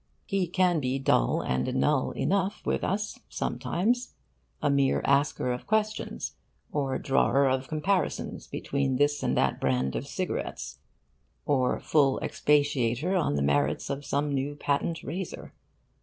He can be dull and null enough with us sometimes a mere asker of questions, or drawer of comparisons between this and that brand of cigarettes, or full expatiator on the merits of some new patent razor.